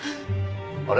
あれ？